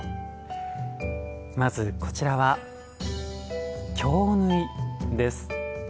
まずこちらは京繍です。